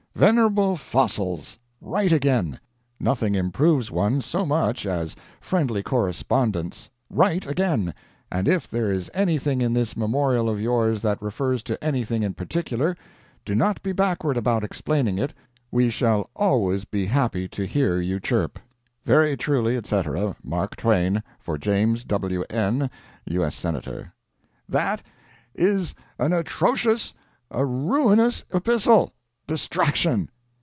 'Venerable fossils! write again. Nothing improves one so much as friendly correspondence. Write again and if there is anything in this memorial of yours that refers to anything in particular, do not be backward about explaining it. We shall always be happy to hear you chirp. 'Very truly, etc., "'MARK TWAIN, 'For James W. N , U. S. Senator.' "That is an atrocious, a ruinous epistle! Distraction!"